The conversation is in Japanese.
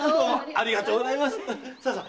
ありがとうございます。